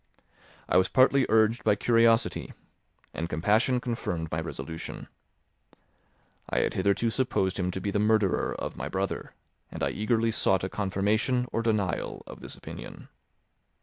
I was partly urged by curiosity, and compassion confirmed my resolution. I had hitherto supposed him to be the murderer of my brother, and I eagerly sought a confirmation or denial of this opinion.